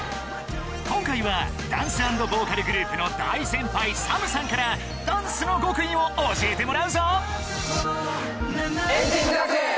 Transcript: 今回はダンス＆ボーカルグループの大先輩ＳＡＭさんからダンスの極意を教えてもらうぞ！